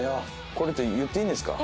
これって言っていいんですか？